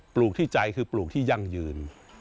ลูกที่ใจคือปลูกที่ยั่งยืน